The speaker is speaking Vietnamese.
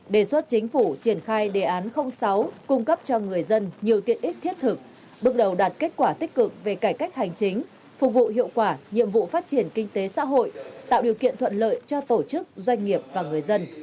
đề xuất chính phủ triển khai đề án sáu cung cấp cho người dân nhiều tiện ích thiết thực bước đầu đạt kết quả tích cực về cải cách hành chính phục vụ hiệu quả nhiệm vụ phát triển kinh tế xã hội tạo điều kiện thuận lợi cho tổ chức doanh nghiệp và người dân